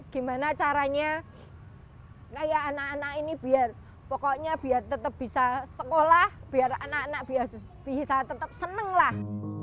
gimana caranya kayak anak anak ini biar pokoknya biar tetap bisa sekolah biar anak anak bisa tetap seneng lah